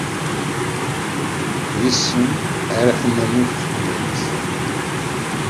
Yes-m ara tennerni teqbaylit.